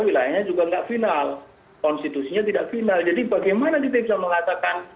wilayahnya juga nggak final konstitusinya tidak final jadi bagaimana kita bisa mengatakan